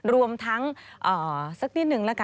รวมทั้งสักนิดหนึ่งแล้วกัน